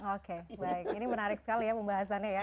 oke baik ini menarik sekali ya pembahasannya ya